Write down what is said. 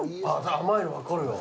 甘いのがくるよ。